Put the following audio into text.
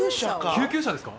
救急車ですか？